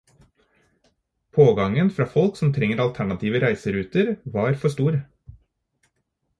Pågangen fra folk som trengte alternative reiseruter var for stor.